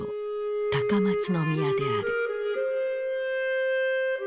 高松宮である。